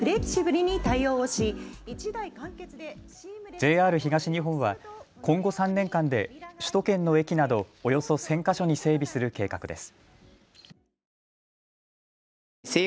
ＪＲ東日本は今後３年間で首都圏の駅などおよそ１０００か所に整備する計画です。